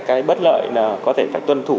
cái bất lợi là có thể phải tuân thủ